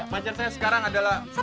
mas sebentar mas